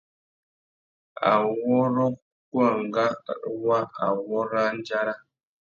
Awôrrô kúkúangâ wa awôrandzara.